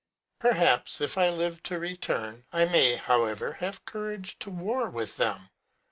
Perhaps, if I live to return, 1 may, however, have courage to war with them.